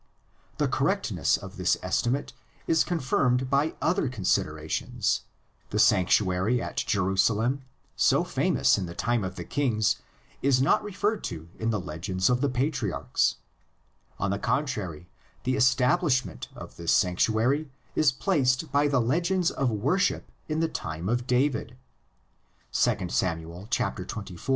The correctness of this estimate is confirmed by other considerations: the sanctuary at Jerusalem, so famous in the time of kings, is not referred to in the legends of the patriarchs; on the contrary the establishment of this sanctuary is placed by the legends of worship in the time of David (2 Sam. xxiv. ).